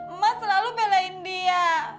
emak selalu belain dia